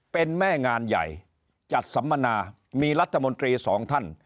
เป็นแม่งานใหญ่จัดสัมมนามีรัฐมนตรีสองท่าน